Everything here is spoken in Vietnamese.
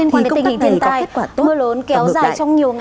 thì công tác này có kết quả tốt và ngược lại